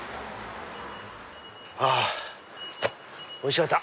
はぁおいしかった！